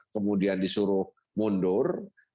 kemudian disuruh mundur